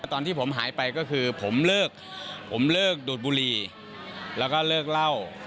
ตอนที่ผมหายไปก็คือผมเลิกผมเลิกดูดบุรีแล้วก็เลิกเล่า